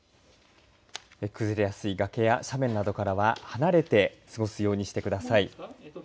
崩れやすい崖や斜面などからは離れて過ごすようにしてください。